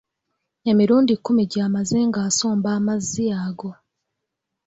Emirundi kkumi gy'amaze nga asomba amazzi ago.